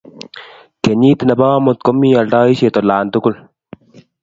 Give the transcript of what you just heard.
kenyit nebo amut komi aldaishet ola tugul